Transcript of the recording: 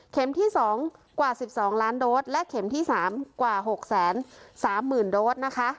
เข็มที่สองกว่าสิบสองล้านโดสและเข็มที่สามกว่าหกแสนสามหมื่นโดสนะคะ